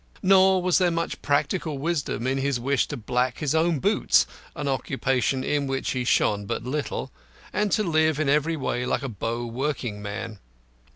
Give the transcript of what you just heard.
Nor was there much practical wisdom in his wish to black his own boots (an occupation in which he shone but little), and to live in every way like a Bow working man.